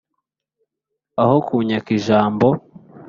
aho kunyaka ijambo!